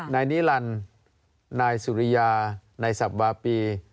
นายนิรันดิ์นายสุริยานายสับวาปี